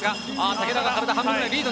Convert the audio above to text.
竹田が体半分のリード。